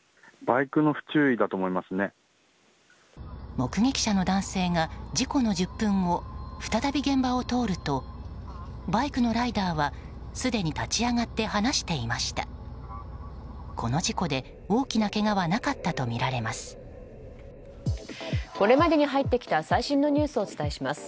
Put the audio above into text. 目撃者の男性が事故の１０分後再び現場を通るとバイクのライダーは、すでに立ち上がって話していました。